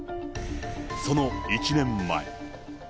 その１年前。